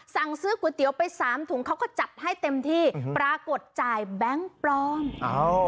สั่งซื้อก๋วยเตี๋ยวไปสามถุงเขาก็จัดให้เต็มที่ปรากฏจ่ายแบงค์ปลอมอ้าว